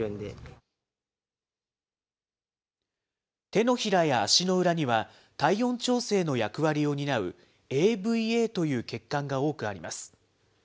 手のひらや足の裏には、体温調整の役割を担うＡＶＡという血管が多くあります。